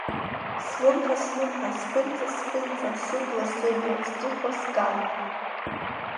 Слымҳа-слымҳа, сԥынҵа-сԥынҵа, сыбла-сыбла, сҵыхәа, сган.